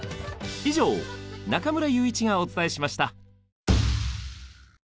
以上中村悠一がお伝えしました。